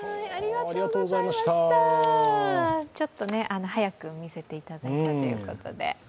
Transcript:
ちょっと早く見せていただいたということで。